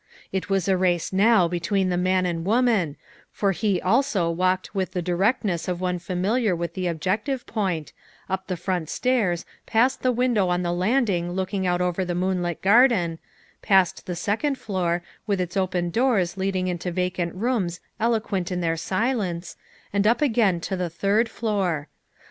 It was a race now between the man and woman, for he also walked with the directness of one familiar with the objective point, up the front stairs, past the window on the landing looking out over the moonlit garden, past the second floor, with its open doors leading into vacant rooms eloquent in their silence, and up again to the third floor.